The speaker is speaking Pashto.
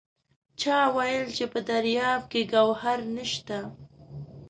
چا وایل چې په دریاب کې ګوهر نشته!